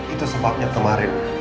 itu sebabnya kemarin